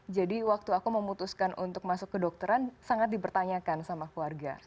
jadi waktu aku memutuskan untuk masuk ke dokteran sangat dipertanyakan sama keluarga